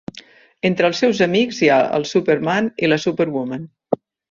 Entre els seus amics hi ha el Superman i la Superwoman.